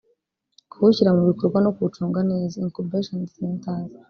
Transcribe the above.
kuwushyira mu bikorwa no kuwucunga neza (incubation centers)